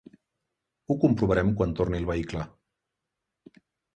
Ho comprovarem quan torni el vehicle.